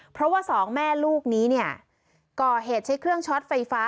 เพราะว่าสองแม่ลูกนี้เนี่ยก่อเหตุใช้เครื่องช็อตไฟฟ้า